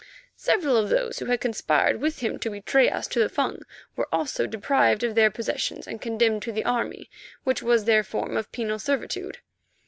Several of those who had conspired with him to betray us to the Fung were also deprived of their possessions and condemned to the army, which was their form of penal servitude.